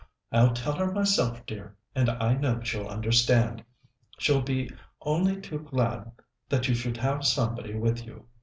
"I'll tell her myself, my dear, and I know she'll understand. She'll be only too glad that you should have somebody with you.